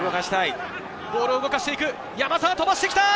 ボールを動かしていく、山沢飛ばしてきた！